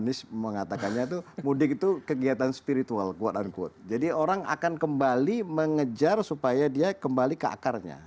ya jadi orang yang berpengalaman mengatakannya itu mudik itu kegiatan spiritual quote unquote jadi orang akan kembali mengejar supaya dia kembali ke akarnya